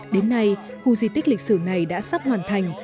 đến nay khu di tích lịch sử này đã sắp hoàn thành